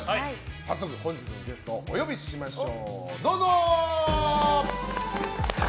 早速、本日のゲストお呼びしましょう。